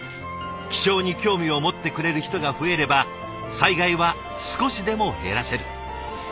気象に興味を持ってくれる人が増えれば災害は少しでも減らせる。